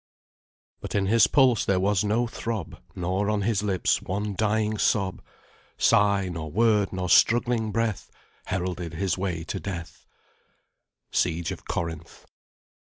"But in his pulse there was no throb, Nor on his lips one dying sob; Sigh, nor word, nor struggling breath Heralded his way to death." SIEGE OF CORINTH.